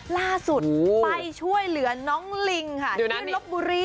ล่าสุดไปช่วยเหลือน้องลิงค่ะที่ลบบุรี